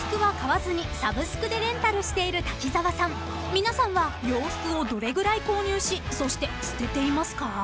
［皆さんは洋服をどれぐらい購入しそして捨てていますか？］